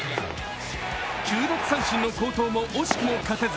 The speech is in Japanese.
９奪三振の好投も惜しくも勝てず。